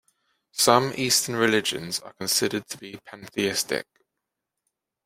Some Eastern religions are considered to be pantheistic.